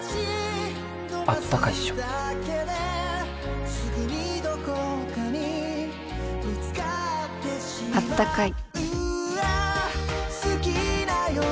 あったかいっしょあったかい